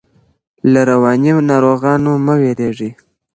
له رواني ناروغانو مه ویریږئ.